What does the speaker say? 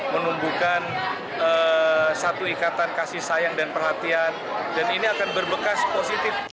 menumbuhkan satu ikatan kasih sayang dan perhatian dan ini akan berbekas positif